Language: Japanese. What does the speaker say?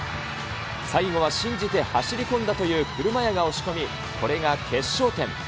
最後は信じて走り込んだという車屋が押し込み、これが決勝点。